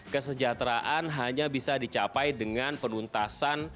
kesejahteraan hanya bisa dicapai dengan penuntasan